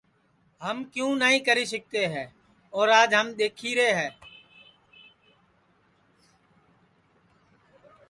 ہم کیوں نائی کری سِکتے ہے اور آج ہم دِکھی رے ہے